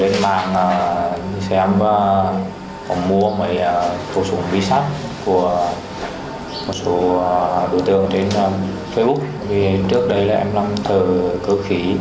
từ từ đến facebook vì trước đây là em làm thợ cơ khí